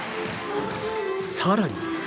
更に。